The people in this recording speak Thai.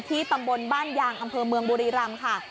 ตำบลบ้านยางอำเภอเมืองบุรีรำค่ะ